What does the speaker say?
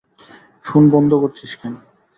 Phone বন্ধ করছিস কেন?